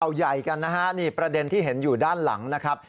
เอาใหญ่กันนะฮะนี่ประเด็นที่เห็นอยู่ด้านหลังนะครับ